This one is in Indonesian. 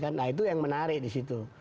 nah itu yang menarik di situ